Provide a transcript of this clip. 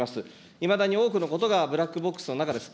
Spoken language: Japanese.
いまだに多くのことがブラックボックスの中です。